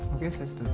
oke saya setuju